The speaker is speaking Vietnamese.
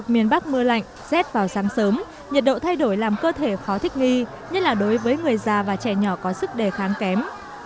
mạnh z vào sáng sớm nhiệt độ thay đổi làm cơ thể khó thích nghi nhất là đối với người già và trẻ nhỏ có sức đề kháng kém